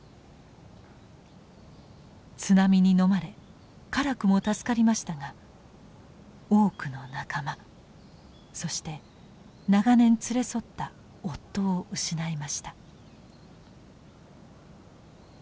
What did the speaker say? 津波にのまれ辛くも助かりましたが多くの仲間そして長年連れ添った夫を失いました。